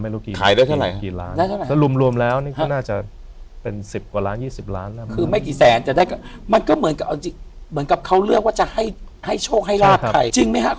แสน๒แสนอะไรอย่างเงี้ย